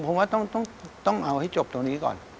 ผมว่าต้องเอาให้จบตรงนี้ก่อน